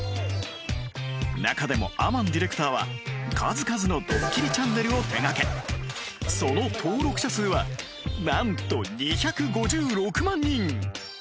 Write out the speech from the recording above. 中でもアマンディレクターは数々のどっきりチャンネルを手がけその登録者数はなんと２５６万人！